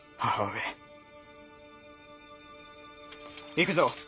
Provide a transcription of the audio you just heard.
行くぞ。